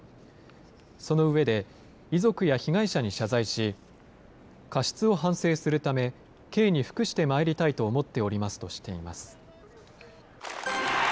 その上で、遺族や被害者に謝罪し、過失を反省するため、刑に服してまいりたいと思っておりますとしています。